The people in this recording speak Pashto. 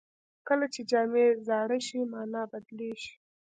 کله چې جامې زاړه شي، مانا بدلېږي.